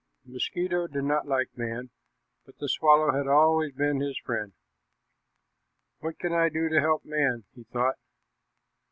The mosquito did not like man, but the swallow had always been his friend. "What can I do to help man?" he thought.